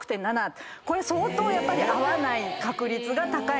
これ相当合わない確率が高い。